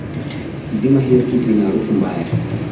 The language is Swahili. Zima hiyo kitu ina harufu mbaya